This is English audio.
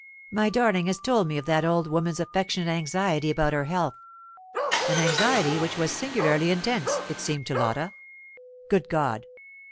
My darling has told me of that old woman's affectionate anxiety about her health an anxiety which was singularly intense, it seemed to Lotta. Good God!